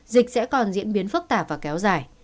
dịch sẽ còn diễn biến phức tạp và kéo dài